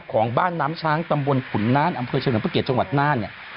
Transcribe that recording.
ของบ้านน้ำช้างตำบลขุนนานอำเภอเฉลิมพระเกียรติจังหวัดน่านเนี่ย